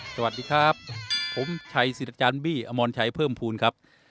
สวัสดีครับผมชัยสิทธิ์อาจารย์บี้อมรชัยเพิ่มภูมิครับ